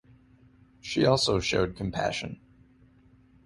She also showed compassion.